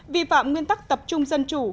vi phạm nguyên tắc tập trung dân chủ